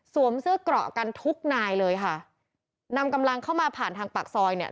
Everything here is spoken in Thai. เสื้อเกราะกันทุกนายเลยค่ะนำกำลังเข้ามาผ่านทางปากซอยเนี่ย